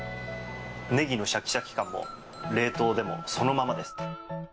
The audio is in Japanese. ネギのシャキシャキ感も冷凍でもそのままです。